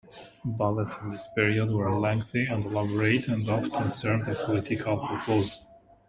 Ballets in this period were lengthy and elaborate and often served a political purpose.